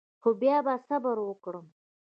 خو بیا به صبر وکړم.